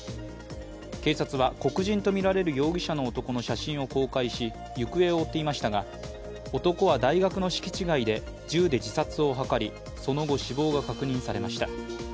警察は黒人とみられる容疑者の男の写真を公開し行方を追っていましたが男は大学の敷地外で銃で自殺を図りその後、死亡が確認されました。